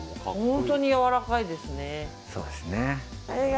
本当にやわらかいですね。